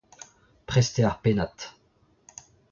Prest eo ar pennad.